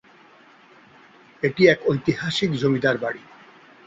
এটি এক ঐতিহাসিক জমিদার বাড়ি।